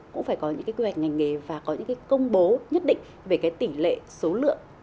cũng phải có những cái quy hoạch ngành nghề và có những cái công bố nhất định về cái tỷ lệ số lượng